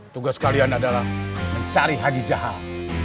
tugas kalian adalah mencari haji jahat